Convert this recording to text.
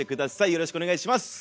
よろしくお願いします！